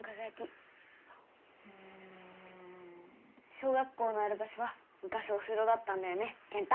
小学校のある場所はむかしお城だったんだよね健太。